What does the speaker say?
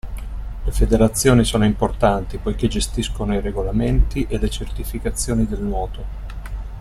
Le federazioni sono importanti poiché gestiscono i regolamenti e le certificazioni del nuoto.